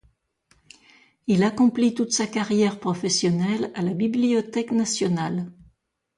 Il accomplit toute sa carrière professionnelle à la Bibliothèque nationale.